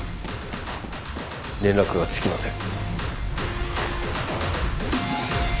連絡がつきません。